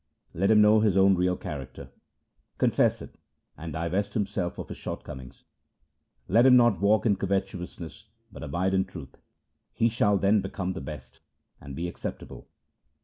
SLOKS OF GURU ANGAD 49 Let him know his own real character, confess it, and divest himself of his shortcomings ; Let him not walk in covetousness, but abide in truth ; he shall then become the best, and be acceptable.